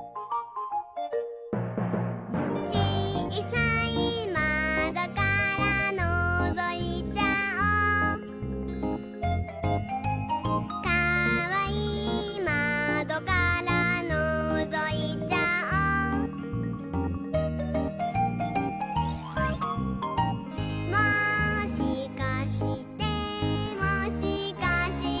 「ちいさいまどからのぞいちゃおう」「かわいいまどからのぞいちゃおう」「もしかしてもしかして」